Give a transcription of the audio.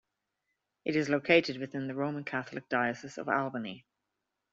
It is located within the Roman Catholic Diocese of Albany.